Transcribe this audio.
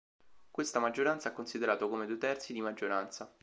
Questa maggioranza ha considerato come due terzi di maggioranza.